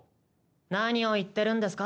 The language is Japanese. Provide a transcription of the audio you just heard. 何を言ってるんですか。